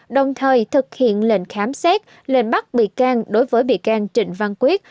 đồng thời thực hiện lệnh khám xét lệnh bắt bị can đối với bị can trịnh văn quyết